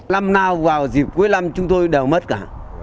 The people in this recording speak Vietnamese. năm nào vào dịp cuối năm chúng tôi đều mất cả